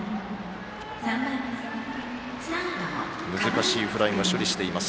難しいフライも処理しています